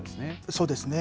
そうですね。